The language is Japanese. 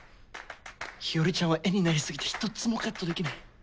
日和ちゃんは絵になり過ぎて一つもカットできない。